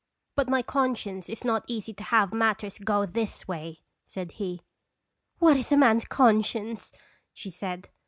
" But my conscience is not easy to have matters go this way," said he. "What is a man's conscience?" she said.